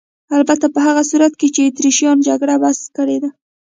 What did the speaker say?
البته په هغه صورت کې چې اتریشیان جګړه بس کړي.